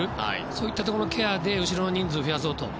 そういったところのケアで後ろの人数を増やそうと。